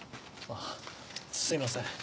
あっすいません。